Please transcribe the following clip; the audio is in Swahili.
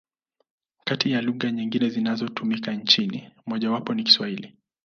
Kati ya lugha nyingine zinazotumika nchini, mojawapo ni Kiswahili.